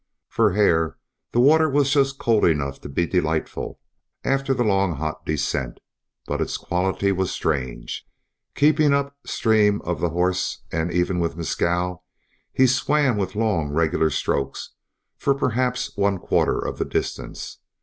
For Hare the water was just cold enough to be delightful after the long hot descent, but its quality was strange. Keeping up stream of the horse and even with Mescal, he swam with long regular strokes for perhaps one quarter of the distance.